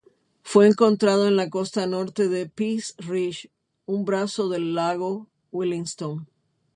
Fue encontrado en la costa norte de Peace Reach, un brazo del lago Williston.